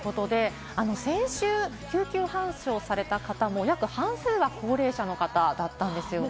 先週、救急搬送された方も、約半数が高齢者の方だったんですよね。